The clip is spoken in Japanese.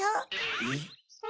えっ！